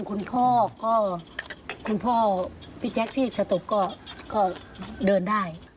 คุณพ่อพี่แจ๊คที่สตบก็เดินได้